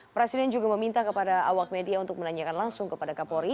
presiden juga meminta kepada awak media untuk menanyakan langsung kepada kapolri